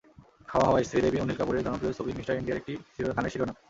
হাওয়া হাওয়াই শ্রীদেবী-অনিল কাপুরের জনপ্রিয় ছবি মিস্টার ইন্ডিয়ার একটি গানের শিরোনাম।